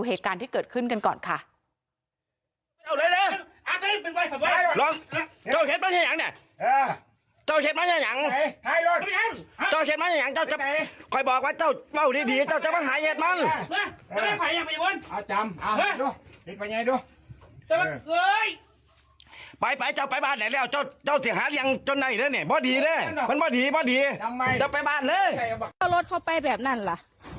หายไว้ซื่อซื่อนี่ล่ะ